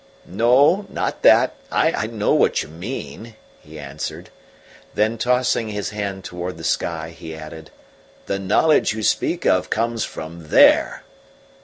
"No, not that I know what you mean," he answered. Then, tossing his hand towards the sky, he added: "The knowledge you speak of comes from there."